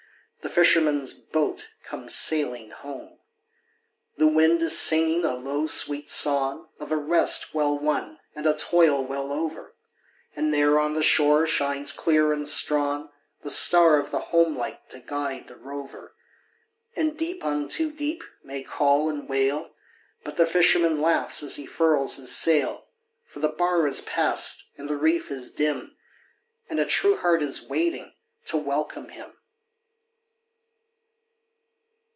The fisherman's boat comes sailing home. 20 The wind is singing a low, sweet song Of a rest well won and a toil well over, And there on the shore shines clear and strong The star of the homelight to guide the rover And deep unto deep may call and wail But the fisherman laughs as he furls his sail, For the bar is passed and the reef is dim And a true heart is waiting to welcome him